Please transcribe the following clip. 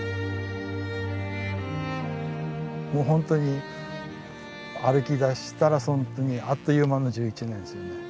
もう本当に歩きだしたらあっという間の１１年ですよね。